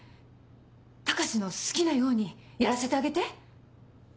高志の好きなようにやらせてあげて。